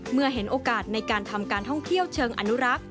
เมื่อเห็นโอกาสในการทำการท่องเที่ยวเชิงอนุรักษ์